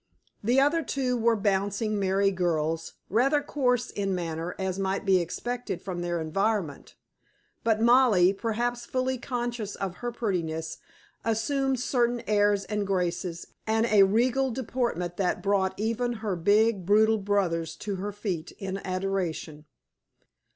The other two were bouncing, merry girls, rather coarse in manner, as might be expected from their environment; but Molly, perhaps fully conscious of her prettiness, assumed certain airs and graces and a regal deportment that brought even her big, brutal brothers to her feet in adoration.